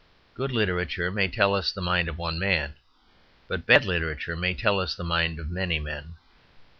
Good literature may tell us the mind of one man; but bad literature may tell us the mind of many men.